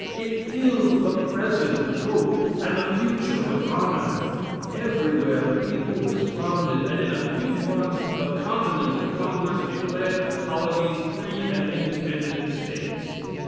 It filled the present with hope and the future with honor. Everywhere the people responded, and in a few months the Continental Congress declared the colonies free and independent states.